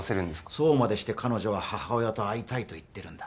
そうまでして彼女は母親と会いたいと言ってるんだ